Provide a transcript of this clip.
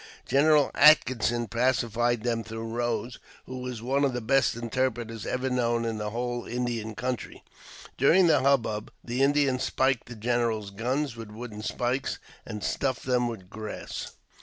General Atkinson pacified them through Eose, who was one of the best interpreters ever known in the whole Indian country. During the hubbub, the Indians spiked the general's guns with wooden spikes, and stuffed them with grass.